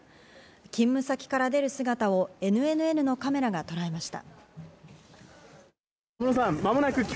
勤務先から出る姿をＮＮＮのカメラがとらえました。